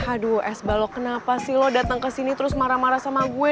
aduh es balok kenapa sih lo datang ke sini terus marah marah sama gue